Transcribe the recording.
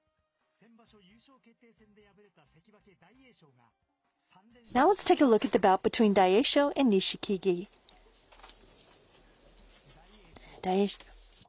先場所優勝決定戦で敗れた関脇・大栄翔が、３連勝とした一番です。